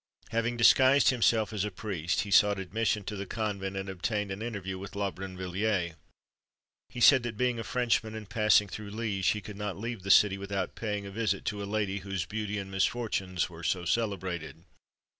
Having disguised himself as a priest, he sought admission to the convent, and obtained an interview with La Brinvilliers. He said, that being a Frenchman, and passing through Liège, he could not leave that city without paying a visit to a lady whose beauty and misfortunes were so celebrated.